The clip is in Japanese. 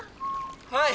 はい。